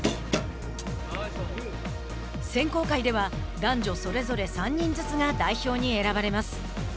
選考会では男女それぞれ３人ずつが代表に選ばれます。